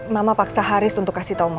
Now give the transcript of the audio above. mama paksa haris untuk kasih tau